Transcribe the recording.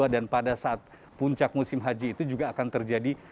dan pada saat puncak musim haji itu juga akan terjadi